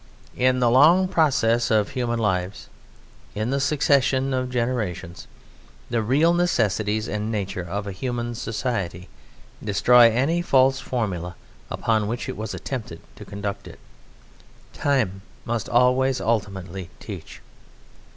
In the long processes of human lives, in the succession of generations, the real necessities and nature of a human society destroy any false formula upon which it was attempted to conduct it. Time must always ultimately teach.